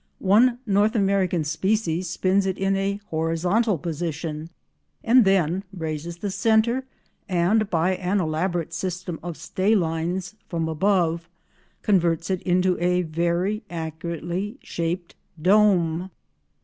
One North American species spins it in a horizontal position and then raises the centre, and, by an elaborate system of stay lines from above, converts it into a very accurately shaped dome.